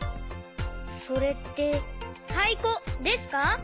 それってたいこですか？